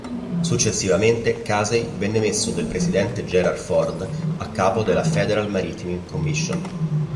Successivamente Casey venne messo dal presidente Gerald Ford a capo della "Federal Maritime Commission".